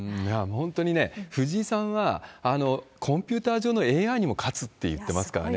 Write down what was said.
本当にね、藤井さんはコンピューター上のＡＩにも勝つって言ってますからね。